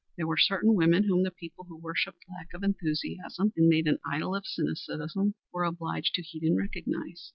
There were certain women whom the people who worshipped lack of enthusiasm and made an idol of cynicism were obliged to heed and recognize.